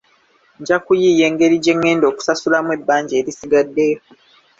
Nja kuyiiya engeri gye ngenda okusasulamu ebbanja erisigaddeyo.